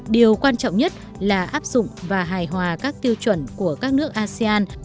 điều quan trọng nhất là áp dụng và hài hòa các tiêu chuẩn của các nước asean